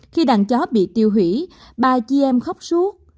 khi đàn chó bị tiêu hủy ba chị em khóc suốt